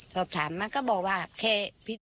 สอบถามมันก็บอกว่าแค่